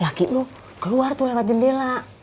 kaki lu keluar tuh lewat jendela